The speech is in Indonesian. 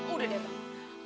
udah deh bang